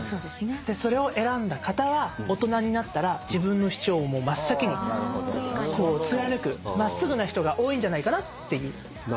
それを選んだ方は大人になったら自分の主張を真っ先に貫く真っすぐな人が多いんじゃないかなっていう。